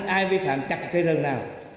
ai vi phạm chặt cây rừng nào